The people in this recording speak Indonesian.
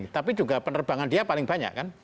tapi juga penerbangan dia paling banyak kan